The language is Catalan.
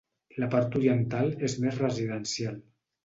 La part oriental és més residencial.